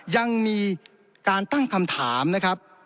ยังมีการตั้งคำถามนะครับ